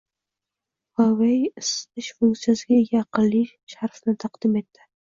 Huawei isitish funksiyasiga ega aqlli sharfni taqdim etdi